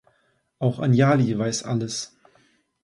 Auch Anjali weiß alles.